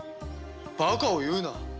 バカを言うな。